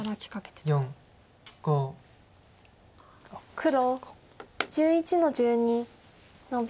黒１１の十二ノビ。